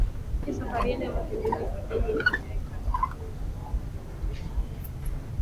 Je safari yenu ya matembezi hifadhini inaendeka au haiendaniJibu litapatikana baada ya utekelezaji